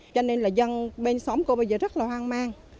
cho nên là dân bên xóm cô bây giờ rất là hoang mang